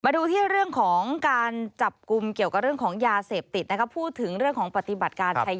มาดูที่เรื่องของการจับกุมเกี่ยวกับเรื่องของยาเสพติด